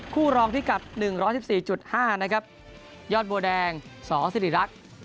รองพิกัด๑๑๔๕นะครับยอดบัวแดงสสิริรักษ์